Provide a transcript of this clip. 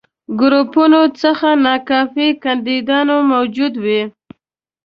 ګروپونو څخه ناکافي کانديدان موجود وي.